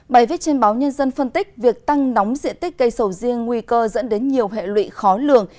bài viết trên báo nhân dân phân tích việc tăng nóng diện tích cây sầu riêng nguy cơ dẫn đến nhiều hệ lụy khó lường